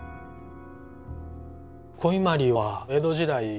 古伊万里は江戸時代